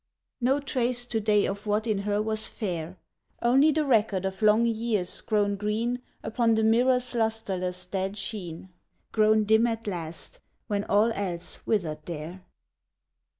No trace to day of what in her was fair! Only the record of long years grown green Upon the mirror's lustreless dead sheen, Grown dim at last, when all else withered there.